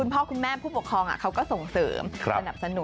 ผมก็กล้าเนอะ